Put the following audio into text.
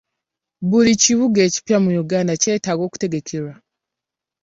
Buli kibuga ekipya mu Uganda kyetaaga okutegekerwa.